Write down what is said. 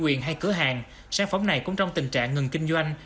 trong hai cửa hàng sản phẩm này cũng trong tình trạng ngừng kinh doanh